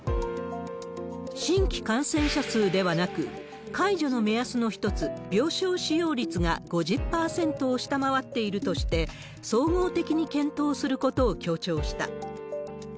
新規感染者数ではなく、解除の目安の一つ、病床使用率が５０％を下回っているとして、総合的に検討することを強調した。